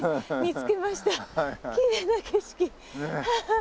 きれいな景色。